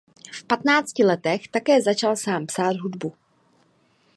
V patnácti letech také začal sám psát hudbu.